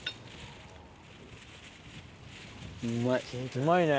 うまいね。